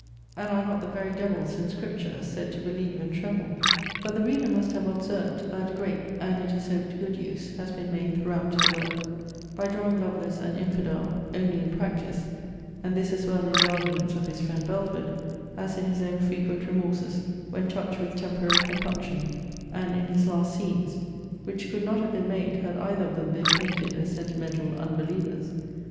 And are not the very devils, in Scripture, said to believe and tremble? But the reader must have observed, that, great, and, it is hoped, good use, has been made throughout the work, by drawing Lovelace an infidel, only in practice; and this as well in the arguments of his friend Belford, as in his own frequent remorses, when touched with temporary compunction, and in his last scenes; which could not have been made, had either of them been painted as sentimental unbelievers.